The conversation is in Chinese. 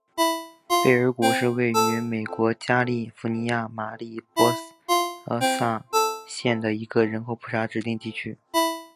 贝尔谷是位于美国加利福尼亚州马里波萨县的一个人口普查指定地区。